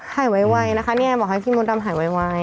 หายไว้นะคะบอกให้พี่มดดำหายไว้